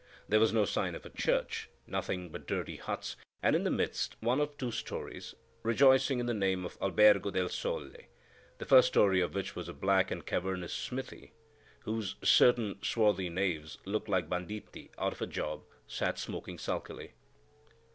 There was no sign of a church,—nothing but dirty huts, and in the midst, one of two stories, rejoicing in the name of Albergo del Sole, the first story of which was a black and cavernous smithy, where certain swarthy knaves, looking like banditti out of a job, sat smoking sulkily.